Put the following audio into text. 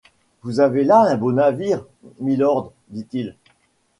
Vous avez là un beau navire, mylord, dit-il.